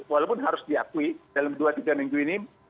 walaupun harus diakui dalam dua tiga minggu ini